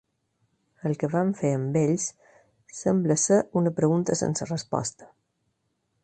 El que van fer amb ells sembla ser una pregunta sense resposta.